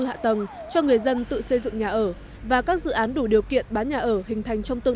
hạ tầng cho người dân tự xây dựng nhà ở và các dự án đủ điều kiện bán nhà ở hình thành trong tương